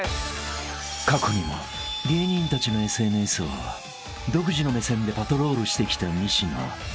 ［過去にも芸人たちのＳＮＳを独自の目線でパトロールしてきた西野］